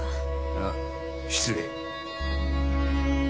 ああ失礼。